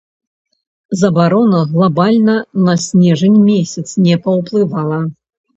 Забарона глабальна на снежань месяц не паўплывала.